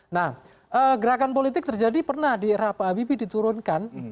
nah gerakan politik terjadi pernah di era pak habibie diturunkan